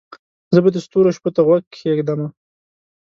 زه به د ستورو شپو ته غوږ کښېږدمه